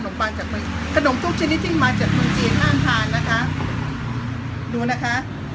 ขนมปังจากขนมทุกชนิดที่มาจากกรุณจีนห้ามทานนะคะดูนะคะ